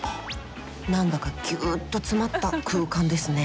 何だかギュッと詰まった空間ですね。